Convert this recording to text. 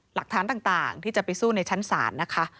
หลักฐานต่างที่จะไปสู้ในชั้นศาลนะคะ